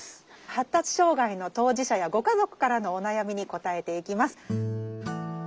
発達障害の当事者やご家族からのお悩みに答えていきます。